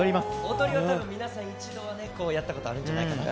踊りは皆さん一度はやったことあるんじゃないかな。